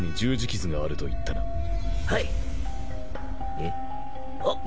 えっあっ。